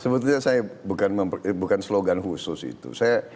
sebetulnya saya bukan slogan khusus itu